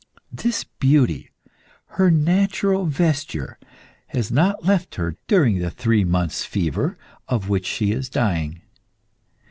This beauty her natural vesture has not left her during the three months' fever of which she is dying.